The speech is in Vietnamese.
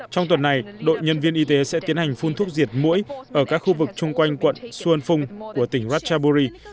trong tuần này đội nhân viên y tế sẽ tiến hành phun thuốc diệt mũi ở các khu vực chung quanh quận xuân phung của tỉnh ratchaburi